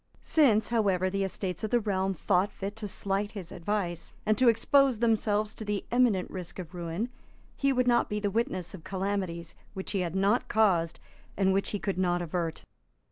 Since, however, the Estates of the Realm thought fit to slight his advice, and to expose themselves to the imminent risk of ruin, he would not be the witness of calamities which he had not caused and which he could not avert.